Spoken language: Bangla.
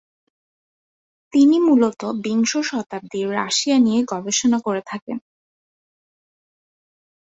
তিনি মূলত বিংশ শতাব্দীর রাশিয়া নিয়ে গবেষণা করে থাকেন।